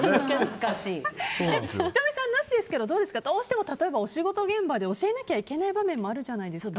仁美さんなしですけどどうしてもお仕事現場で教えなきゃいけない場面もあるじゃないですか。